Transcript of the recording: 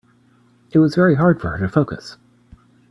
It was very hard for her to focus.